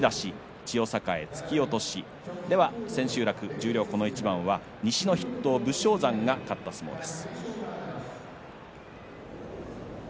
千秋楽、十両この一番は西の筆頭武将山が勝った相撲です。